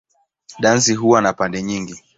Dansi huwa na pande nyingi.